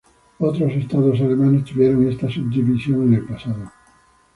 Otros estados alemanes tuvieron esta subdivisión en el pasado.